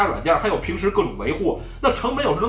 โอ้โหแปกเมศสุดเลยครับ